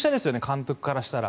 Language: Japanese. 監督からしたら。